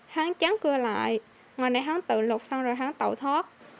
hắn chắn cưa lại ngoài này hắn tự lục xong rồi hắn tẩu thoát